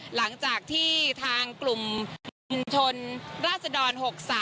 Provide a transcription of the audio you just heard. หลังจากที่ทางกลุ่มชุมชนราชดร๖๓